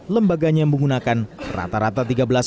lembaganya menggunakan rata rata tiga belas tujuh